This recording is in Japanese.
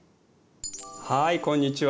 はいこんにちは。